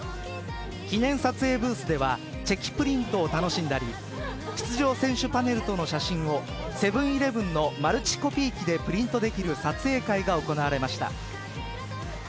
記念撮影ブースではチェキプリントを楽しんだり出場選手パネルとの写真をセブン‐イレブンのマルチコピー機でプリントできる撮影会が行われました。